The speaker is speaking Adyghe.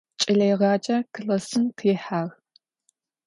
Ç'eleêğacer klassım khihağ.